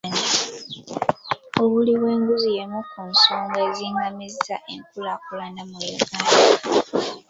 Obuli bw'enguzi y'emu ku nsonga ezizingamizza enkulaakulana mu Uganda.